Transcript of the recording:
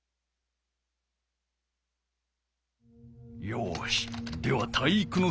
よしでは体育ノ